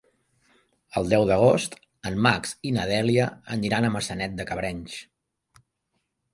El deu d'agost en Max i na Dèlia aniran a Maçanet de Cabrenys.